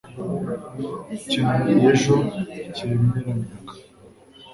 Ikintu nariye ejo nticyemeranyaga.